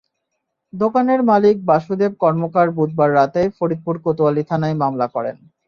দোকানের মালিক বাসুদেব কর্মকার বুধবার রাতেই ফরিদপুর কোতোয়ালি থানায় মামলা করেন।